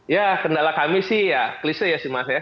ya kendala kami sih ya klise ya sih mas ya